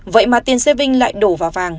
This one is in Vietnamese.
vậy mà tiền serving lại đổ vào vàng